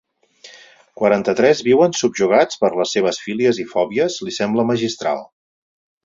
Quaranta-tres viuen subjugats per les seves fílies i fòbies li sembla magistral.